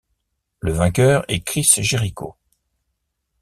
Le vainqueur est Chris Jericho.